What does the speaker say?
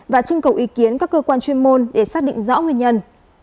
và trưng cầu ý kiến các cơ quan chuyên môn để xác định rõ nguyên nhân